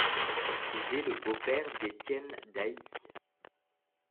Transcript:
Il est le beau-père d'Étienne Dailly.